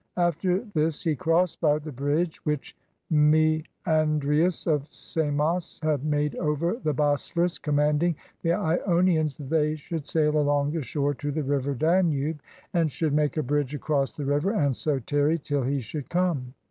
After this he crossed by the bridge, which Masandrius of Samos had made over the Bosphorus, commanding the lonians that they should sail along the shore to the river Danube and should make a bridge across the river, and so tarry till he should come.